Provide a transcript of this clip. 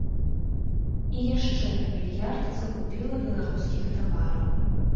І яшчэ на мільярд закупіла беларускіх тавараў.